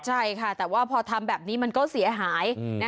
ใช่ค่ะแต่ว่าพอทำแบบนี้มันก็เสียหาย